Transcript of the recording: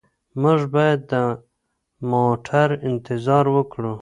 موږ باید د موټر انتظار وکړو.